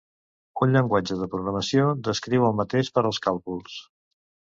Un llenguatge de programació descriu el mateix per als càlculs.